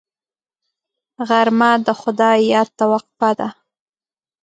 غرمه د خدای یاد ته وقفه ده